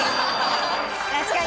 確かに。